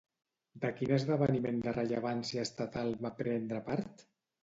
De quin esdeveniment de rellevància estatal va prendre part?